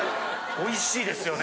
おいしいですよね